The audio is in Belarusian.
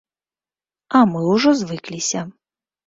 А мы ўжо звыкліся.